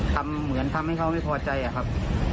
ทำเหมือนทำให้เขาไม่พอใจอะครับ